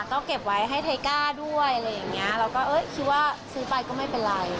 ก็เก็บไว้ให้ไทก้าด้วยอะไรอย่างเงี้ยเราก็คิดว่าซื้อไปก็ไม่เป็นไร